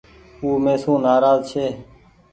او مي سون نآراز ڇي۔